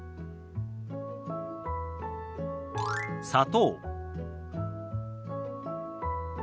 「砂糖」。